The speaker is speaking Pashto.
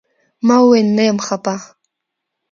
ما وويل نه يم خپه.